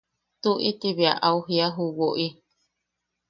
–Tuʼi– Ti bea au jiia ju woʼi.